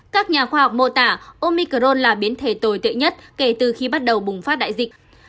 các nhà khoa học mô tả omicron là biến thể tồi tệ nhất kể từ khi bắt đầu bùng phát đại dịch